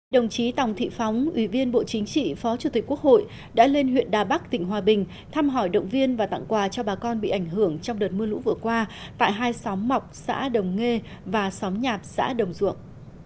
đồng chí tòng thị phóng ủy viên bộ chính trị phó chủ tịch quốc hội đã lên huyện đà bắc tỉnh hòa bình thăm hỏi động viên và tặng quà cho bà con bị ảnh hưởng trong đợt mưa lũ vừa qua tại hai xóm mọc xã đồng nghê và xóm nhạt xã đồng duộng